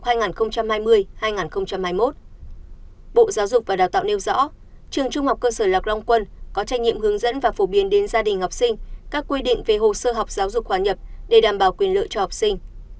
bộ giáo dục và đào tạo nêu rõ trường trung học cơ sở lạc long quân có trách nhiệm hướng dẫn và phổ biến đến gia đình học sinh các quy định về hồ sơ học giáo dục hòa nhập để đảm bảo quyền lợi cho học sinh